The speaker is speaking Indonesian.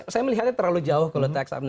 saya melihatnya terlalu jauh kalau take up